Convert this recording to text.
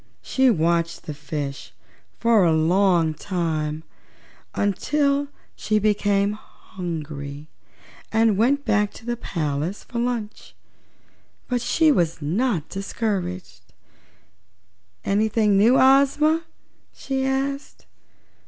She watched the fishes for a long time, until she became hungry and went back to the palace for lunch. But she was not discouraged. "Anything new, Ozma?" she asked.